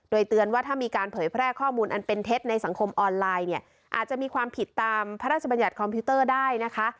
โดยเตือนว่าถ้ามีการเผยแพร่ข้อมูลอันเป็นเท็จในสังคมออนไลน์เนี่ยอาจจะมีความผิดตามพระราชบัญญัติคอมพิวเตอร์ได้นะคะ